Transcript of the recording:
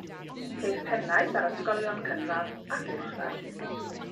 Ceir pennaeth ar ysgolion cynradd ac uwchradd.